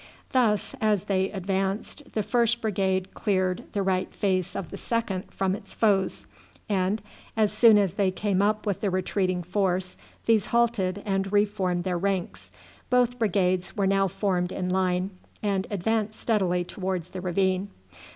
Thus, as they advanced, the first brigade cleared the right face of the second from its foes, and as soon as they came up with the retreating force these halted and reformed their ranks Both brigades were now formed in line, and advanced steadily towards the ravine.